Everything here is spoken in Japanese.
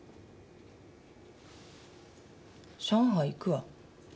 上海行くわ。